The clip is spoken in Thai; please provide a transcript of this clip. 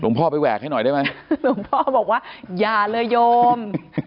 พ่อไปแหวกให้หน่อยได้ไหมหลวงพ่อบอกว่าอย่าเลยโยม